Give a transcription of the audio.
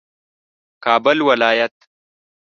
کابل ولایت